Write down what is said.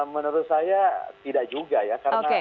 menurut saya tidak juga ya